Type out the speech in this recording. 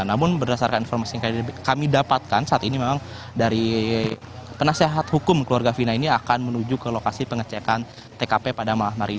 namun berdasarkan informasi yang kami dapatkan saat ini memang dari penasehat hukum keluarga fina ini akan menuju ke lokasi pengecekan tkp pada malam hari ini